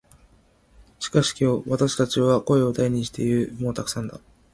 しかし今日、私たちは声を大にして言う。「もうたくさんだ」。